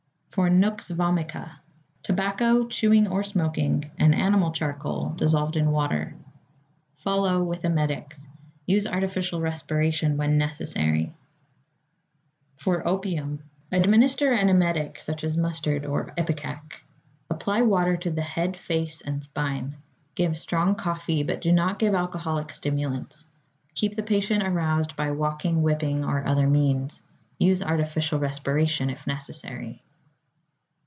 =For Nux Vomica.= Tobacco, chewing or smoking, and animal charcoal, dissolved in water. Follow with emetics. Use artificial respiration when necessary. =For Opium.= Administer an emetic, such as mustard or ipecac. Apply water to the head, face, and spine. Give strong coffee, but do not give alcoholic stimulants. Keep the patient aroused by walking, whipping, or other means. Use artificial respiration if necessary.